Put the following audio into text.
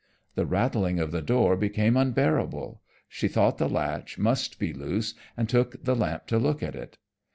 The rattling of the door became unbearable, she thought the latch must be loose and took the lamp to look at it.